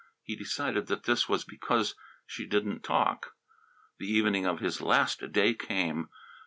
He decided that this was because she didn't talk. The evening of his last day came.